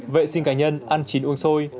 vệ sinh cá nhân ăn chín uống xôi